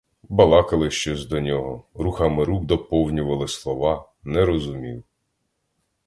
Балакали щось до нього, рухами рук доповнювали слова, не розумів.